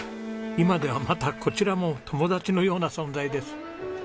今ではまたこちらも友達のような存在です。